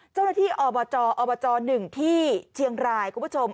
เจ้าหน้าที่อบจอบจ๑ที่เชียงรายคุณผู้ชม